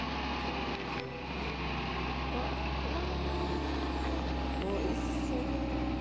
うわわいおいしそう！